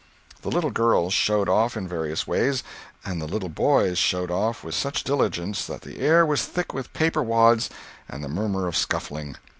The little girls "showed off" in various ways, and the little boys "showed off" with such diligence that the air was thick with paper wads and the murmur of scufflings.